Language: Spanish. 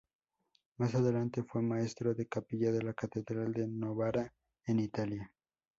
Más adelante, fue maestro de capilla de la catedral de Novara en Italia.